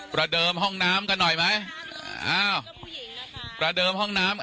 ประเดิมห้องน้ำกันหน่อยไหมอ้าวผู้หญิงประเดิมห้องน้ำ